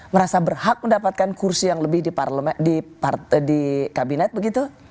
merasa berhak mendapatkan kursi yang lebih di kabinet begitu